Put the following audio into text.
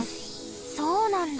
そうなんだ。